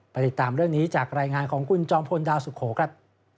ติดตามเรื่องนี้จากรายงานของคุณจอมพลดาวสุโขครับ